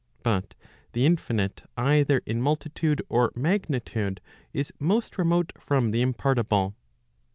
But the infinite either in multitude or magnitude, is most remote from the impartible.